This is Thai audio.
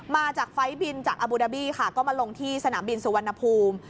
มาจากไฟล์บินจากอบูดาบี้ค่ะก็มาลงที่สนามบินสุวรรณภูมิ